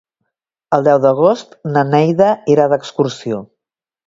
El deu d'agost na Neida irà d'excursió.